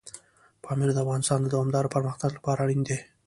پامیر د افغانستان د دوامداره پرمختګ لپاره اړین دي.